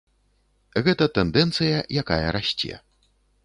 Гэта тэндэнцыя, якая расце.